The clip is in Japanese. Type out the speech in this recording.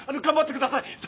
頑張ってください！